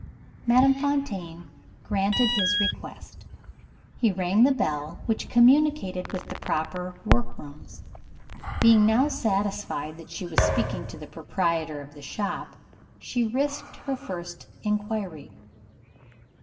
Madame Fontaine granted his request. He rang the bell which communicated with the work rooms. Being now satisfied that she was speaking to the proprietor of the shop, she risked her first inquiry.